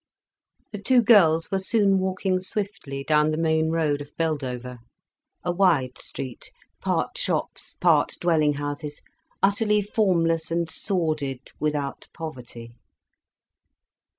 The two girls were soon walking swiftly down the main road of Beldover, a wide street, part shops, part dwelling houses, utterly formless and sordid, without poverty.